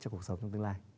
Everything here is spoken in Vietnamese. cho cuộc sống trong tương lai